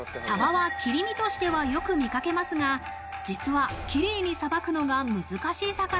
サバは切り身としてはよく見かけますが、実はキレイにさばくのが難しい魚。